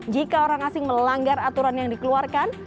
jika orang asing melanggar aturan yang dikeluarkan